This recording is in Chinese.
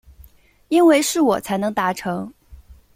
因为是我才能达成